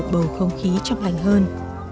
bầu không khí trong lành hơn